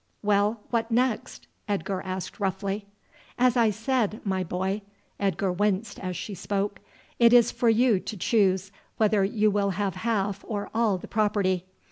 "Well, what next?" Edgar asked roughly. "As I said, my boy," Edgar winced as she spoke "it is for you to choose whether you will have half or all the property.